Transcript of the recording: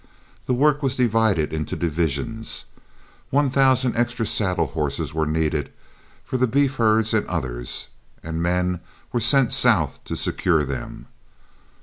The work was divided into divisions. One thousand extra saddle horses were needed for the beef herds and others, and men were sent south, to secure them.